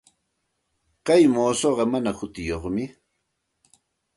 Kay muusuqa mana hutiyuqmi.